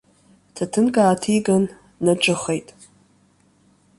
Ҭаҭынк ааҭиган, днаҿыхеит.